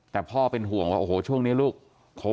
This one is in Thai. แต่พ่อเป็นห่วงว่าโอ้โหช่วงนี้ลูก